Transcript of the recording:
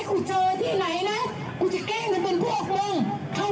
เข้าไปชิดตัวมึงและตอบตาของมึง